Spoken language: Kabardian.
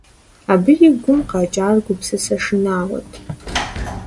Абы и гум къэкӀар гупсысэ шынагъуэт.